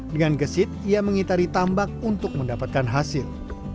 dengan gesit ia mengitari tambak untuk mendapatkan hasil